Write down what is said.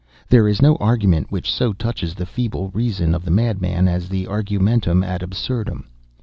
There is no argument which so touches the feeble reason of the madman as the argumentum ad absurdum.